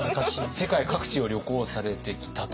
世界各地を旅行されてきたと。